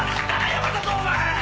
山里お前！